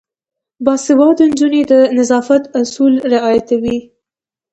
باسواده نجونې د نظافت اصول مراعاتوي.